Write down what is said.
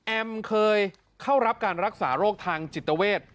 เคยเข้ารับการรักษาโรคทางจิตเวท